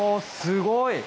すごい！